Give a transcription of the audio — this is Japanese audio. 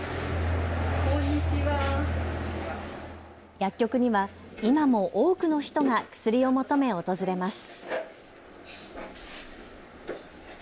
薬局には今も多くの人が薬を求め訪れます。